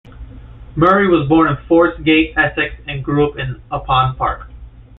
Murray was born in Forest Gate, Essex and grew up in Upon Park.